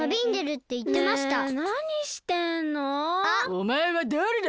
おまえはだれだ？